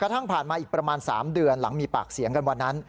ทั้งผ่านมาอีกประมาณ๓เดือนหลังมีปากเสียงกันวันนั้น